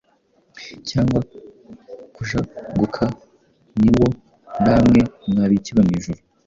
cyangwa kugajuka, ni wo na mwe mwabikiwe mu ijuru,